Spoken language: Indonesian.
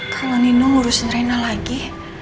kalau nino ngurusin rena lagi